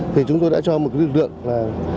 thì chúng tôi đã cho một lực lượng